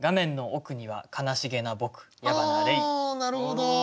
なるほど！